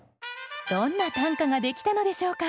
どんな短歌ができたのでしょうか。